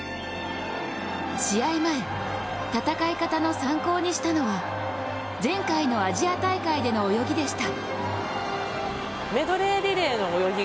試合前、戦い方の参考にしたのは前回のアジア大会での泳ぎでした。